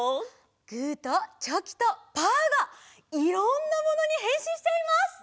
グーとチョキとパーがいろんなものにへんしんしちゃいます！